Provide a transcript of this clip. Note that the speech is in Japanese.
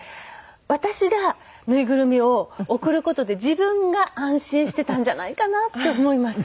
私が縫いぐるみを送る事で自分が安心していたんじゃないかなって思います。